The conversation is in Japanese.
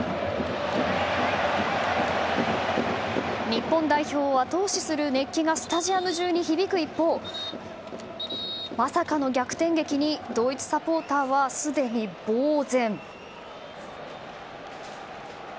日本代表を後押しする熱気がスタジアム中に響く一方まさかの逆転劇にドイツサポーターはすでにぼうぜん。